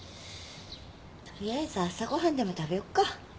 取りあえず朝ご飯でも食べよっか？